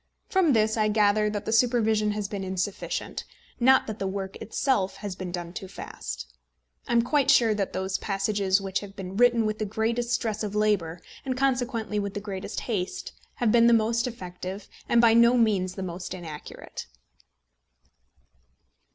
From this I gather that the supervision has been insufficient, not that the work itself has been done too fast. I am quite sure that those passages which have been written with the greatest stress of labour, and consequently with the greatest haste, have been the most effective and by no means the most inaccurate.